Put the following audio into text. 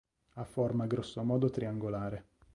Ha forma grossomodo triangolare.